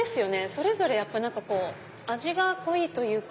それぞれ味が濃いというか。